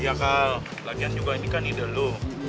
iya kal lagian juga ini kan ide lo